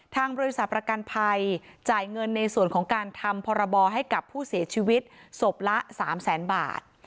ทางบริษัทประกันภัยจ่ายเงินในส่วนของการทำพรบให้กับผู้เสียชีวิตศพละ๓แสนบาท